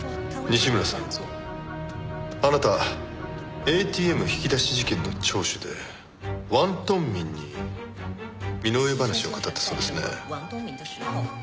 西村さんあなたＡＴＭ引き出し事件の聴取で王東明に身の上話を語ったそうですね。